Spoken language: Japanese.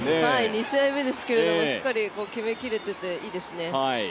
２試合目ですけれどもしっかり決め切れてていいですね。